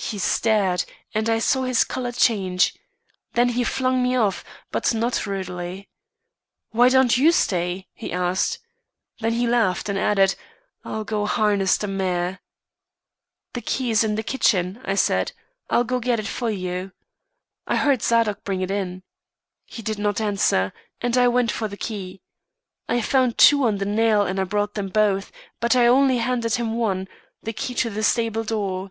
He stared, and I saw his colour change. Then he flung me off, but not rudely. 'Why don't you stay?' he asked. Then he laughed, and added, 'I'll go harness the mare.' "'The key's in the kitchen,' I said. 'I'll go get it for you. I heard Zadok bring it in.' He did not answer, and I went for the key. I found two on the nail, and I brought them both; but I only handed him one, the key to the stable door.